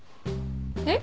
えっ？